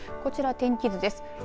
こちら天気図です。